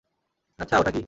আচ্ছা, ওটা কী?